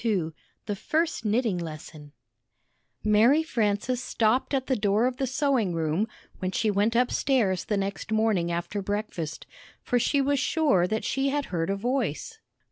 rn all miiy lil^ ARY FRANCES stopped at the door of the sewing room when she went upstairs the next morning after breakfast, for she was sure that she heard a voice.